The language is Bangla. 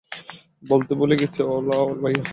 বলতে ভুলে গেছি, ওলা ভাইয়া!